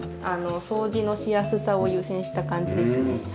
掃除のしやすさを優先した感じですね。